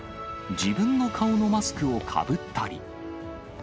自分の顔のマスクをかぶったり。